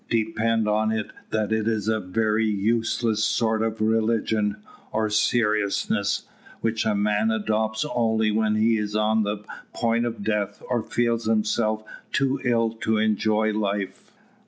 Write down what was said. Depend on it that it is a very useless sort of religion, or seriousness, which a man adopts only when he is on the point of death or feels himself too ill to enjoy life."